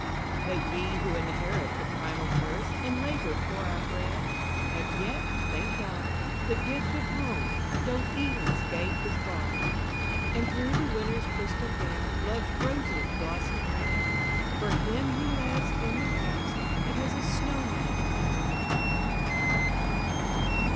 But we who inherit the primal curse, and labour for our bread, Have yet, thank God, the gift of Home, though Eden's gate is barred: And through the Winter's crystal veil, Love's roses blossom red, For him who lives in a house that has a snowman in the yard.